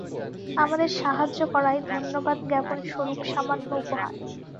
আমাদের সাহায্য করায় ধন্যবাদজ্ঞাপন স্বরূপ সামান্য উপহার।